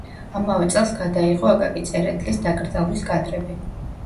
ამავე წელს გადაიღო აკაკი წერეთლის დაკრძალვის კადრები.